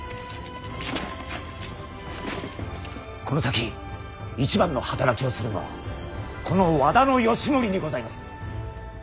この先一番の働きをするのはこの和田義盛にございます。